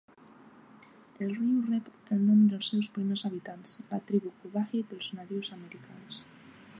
El riu rep el nom dels seus primers habitants, la tribu Combahee dels nadius americans.